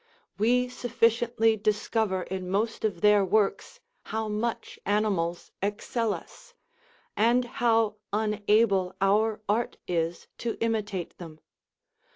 We sufficiently discover in most of their works how much animals excel us, and how unable our art is to imitate them.